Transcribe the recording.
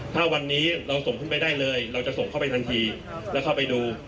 ถ้าวันนี้เราส่งขึ้นไปได้เลยเราจะส่งเข้าไปทันทีแล้วเข้าไปดู